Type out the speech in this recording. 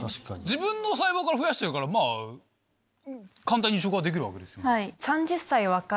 自分の細胞から増やしてるから簡単に移植はできるわけですよね。